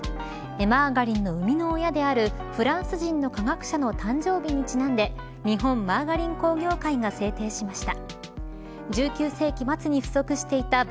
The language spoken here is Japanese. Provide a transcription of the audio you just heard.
マーガリンの生みの親であるフランス人の化学者の誕生日にちなんで日本マーガリン工業会が制定しました。